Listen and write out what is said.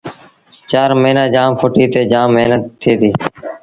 چآر موهيݩآݩ جآم ڦٽي تي جآم مهنت ٿئي ديٚ